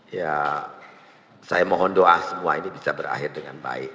ya saya mohon doa semua ini bisa berakhir dengan baik